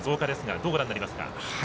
どうご覧になりますか？